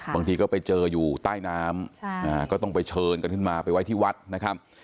บางทีก็ไปเจออยู่ใต้น้ำก็ต้องไปเชิญกันขึ้นมาไปไว้ที่วัดนะครับ